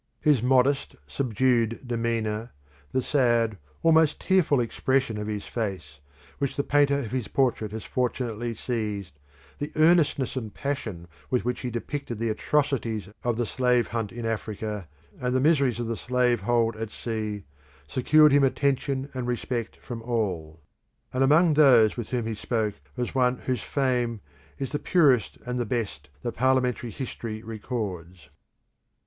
His modest, subdued demeanour, the sad, almost tearful expression of his face, which the painter of his portrait has fortunately seized, the earnestness and passion with which he depicted the atrocities of the slave hunt in Africa and the miseries of the slave hold at sea, secured him attention and respect from all; and among those with whom he spoke was one whose fame is the purest and the best that parliamentary history records.